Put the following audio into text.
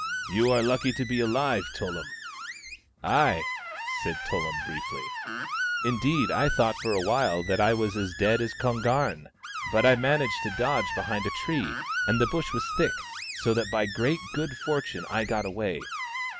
" You are lucky to be alive, Tullum." " Ay," said Tullum briefly. " Indeed, I thought for a while that I was as dead as Kon garn. But I managed to dodge behind a tree, and the bush was thick, so that by great good fortune I got away.